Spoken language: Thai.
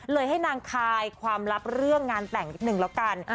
ให้นางคายความลับเรื่องงานแต่งนิดนึงแล้วกัน